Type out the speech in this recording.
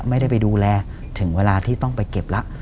ไม่ได้ไปดูแลถึงเวลาที่ต้องไปเก็บแล้ว